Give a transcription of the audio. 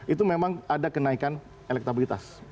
itu memang ada kenaikan elektabilitas